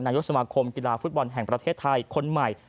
ยกสมาคมกีฬาฟุตบอลแห่งประเทศไทยคนใหม่